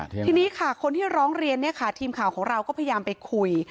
ทีนี้ค่ะคนที่ร้องเรียนเนี่ยค่ะทีมข่าวของเราก็พยายามไปคุย